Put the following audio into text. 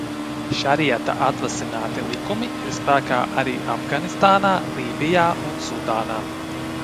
Šariata atvasināti likumi ir spēkā arī Afganistānā, Lībijā un Sudānā.